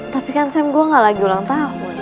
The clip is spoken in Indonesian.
tapi kan sam gue gak lagi ulang tahun